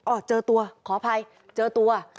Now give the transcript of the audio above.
เจอตัวขออภัยเจอตัว